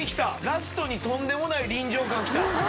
ラストにとんでもない臨場感きた。